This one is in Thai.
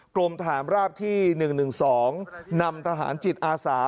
กรมฐานราบที่๑๑๒นำทหารจิตอาสา